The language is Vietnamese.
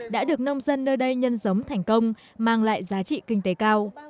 đã được nông dân nơi đây nhân giống thành công mang lại giá trị kinh tế cao